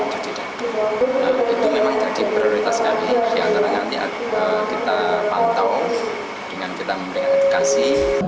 yang terangnya kita pantau dengan kita memberikan edukasi